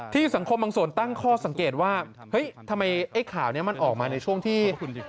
สังคมบางส่วนตั้งข้อสังเกตว่าเฮ้ยทำไมไอ้ข่าวนี้มันออกมาในช่วงที่